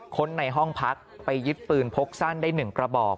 คนในห้องพักไปยึดปืนพกสั้นได้๑กระบอก